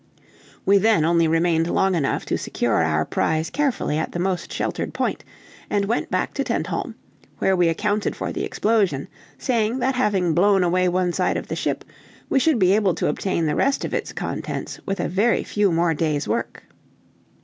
We then only remained long enough to secure our prize carefully at the most sheltered point, and went back to Tentholm, where we accounted for the explosion; saying that having blown away one side of the ship, we should be able to obtain the rest of its contents with a very few more days' work.